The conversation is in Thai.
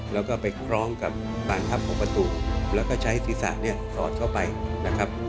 แล้วก็ไปคล้องกับปากทับของประตูแล้วก็ใช้ศีรษะเนี่ยถอดเข้าไปนะครับ